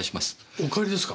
おかえりですか？